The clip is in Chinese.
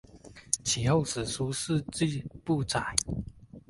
其后史书事迹不载。